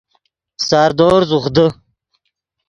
ساردور زوخ دے